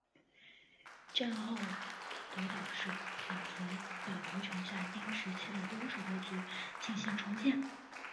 战后德岛市选择保留城下町时期的都市格局进行重建。